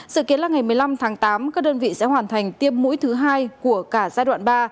sự kiến là ngày một mươi năm tháng tám các đơn vị sẽ hoàn thành tiêm mũi thứ hai của cả giai đoạn ba